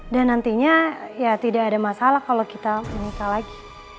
dan nantinya ya tidak ada masalah kalau kita menikah lagi